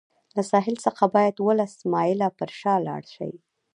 له ساحل څخه باید اوولس مایله پر شا لاړ شي.